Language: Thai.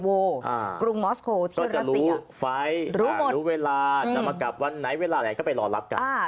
ก็จะรู้ไฟล์รู้เวลาจะมากลับวันไหนเวลาไหนก็ไปรอรับกัน